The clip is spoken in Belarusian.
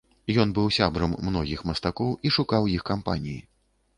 Ён быў сябрам многіх мастакоў і шукаў іх кампаніі.